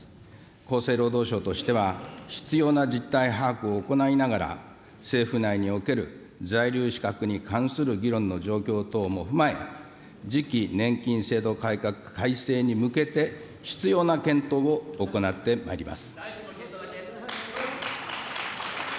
厚生労働省としては、必要な実態把握を行いながら、政府内における、在留資格に関する議論の状況等も踏まえ、次期年金制度改革改正に向けて、必要な検討を行ってまいります。